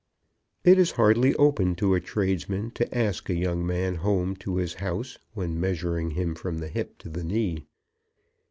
It is hardly open to a tradesman to ask a young man home to his house when measuring him from the hip to the knee.